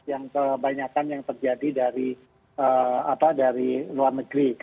yang kebanyakan yang terjadi dari luar negeri